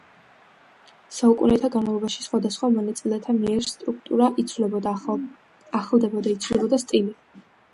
საუკუნეთა განმავლობაში, სხვადასხვა მონაწილეთა მიერ სტრუქტურა იცვლებოდა, ახლდებოდა, იცვლებოდა სტილი.